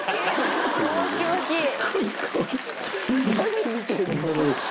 何見てんの？